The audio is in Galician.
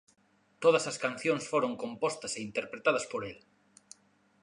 Todas as cancións foron compostas e interpretadas por el.